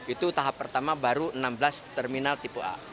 itu tahap pertama baru enam belas terminal tipe a